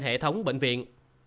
hệ thống bệnh viện